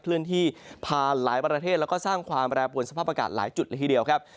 เลื่อนที่ผ่านหลายประเทศแล้วก็สร้างความแปรปวนสภาพอากาศหลายจุดละทีเดียวครับ